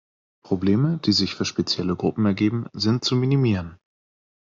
Probleme, die sich für spezielle Gruppen ergeben, sind zu minimieren.